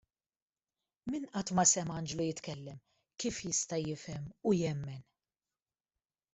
Min qatt ma sema anġlu jitkellem, kif jista' jifhem u jemmen?